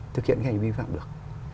thực hiện hành vi vi phạm được